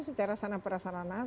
secara sana perasaan anak